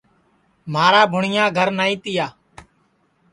مھارا بھوٹؔیا گھر نائی تیا